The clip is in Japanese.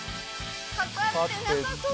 かかってなさそう。